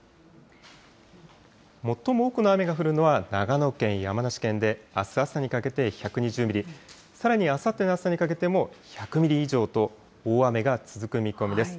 最も多くの雨が降るのは長野県、山梨県で、あす朝にかけて１２０ミリ、さらにあさっての朝にかけても１００ミリ以上と、大雨が続く見込みです。